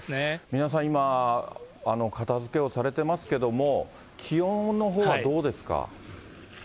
皆さん今、片づけをされてますけども、気温のほうはどうですか。